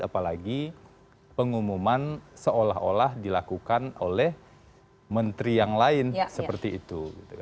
apalagi pengumuman seolah olah dilakukan oleh menteri yang lain seperti itu